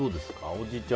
おじいちゃん